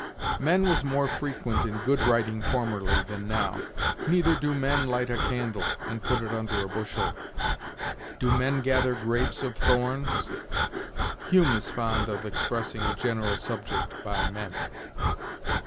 "'Men' was more frequent in good writing formerly than now. 'Neither do men light a candle, and put it under a bushel.' 'Do men gather grapes of thorns?' Hume is fond of expressing a general subject by 'men.'